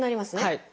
はい。